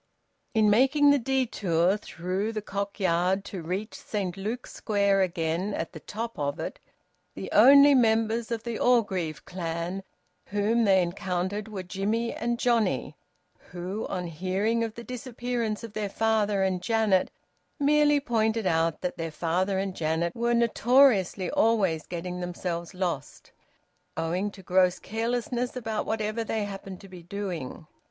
In making the detour through the Cock Yard to reach Saint Luke's Square again at the top of it, the only members of the Orgreave clan whom they encountered were Jimmie and Johnnie, who, on hearing of the disappearance of their father and Janet, merely pointed out that their father and Janet were notoriously always getting themselves lost, owing to gross carelessness about whatever they happened to be doing.